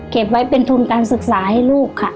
เก็บไว้เป็นทุนการศึกษาให้ลูกค่ะ